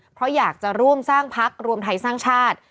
เพราะอยากจะร่วมสร้างพักรวมไทยสร้างชาติ